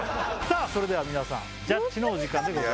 さぁそれでは皆さんジャッジのお時間でございます。